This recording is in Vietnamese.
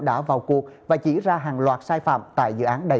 đã vào cuộc và chỉ ra hàng loạt sai phạm tại dự án đầy